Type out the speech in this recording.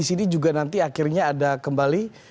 di sini juga nanti akhirnya ada kembali